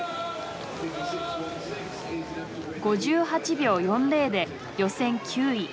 ５８秒４０で予選９位。